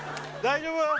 大丈夫？